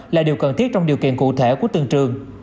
là điều cần thiết trong điều kiện cụ thể của từng trường